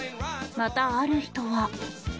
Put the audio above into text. また、ある人は。